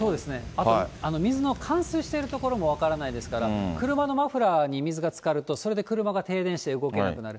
あと水の冠水している所も分からないですから、車のマフラーに水がつかると、それで車が停電して動けなくなる。